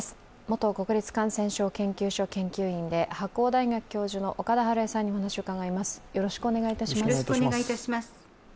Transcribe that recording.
元国立感染症研究所研究員で白鴎大学教授の岡田晴恵さんにお話を伺います。